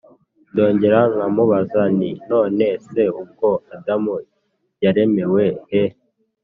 Ndongera nkamubaza nti none se ubwo Adamu yaremewe he